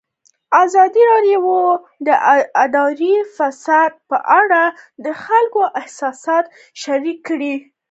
ازادي راډیو د اداري فساد په اړه د خلکو احساسات شریک کړي.